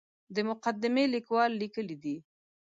د مقدمې لیکوال لیکلي دي.